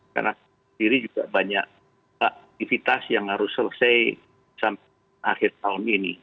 karena sendiri juga banyak aktivitas yang harus selesai sampai akhir tahun ini